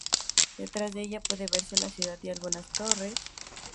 Detrás de ella puede verse la ciudad y algunas torres.